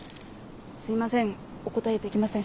すいませんお答えできません。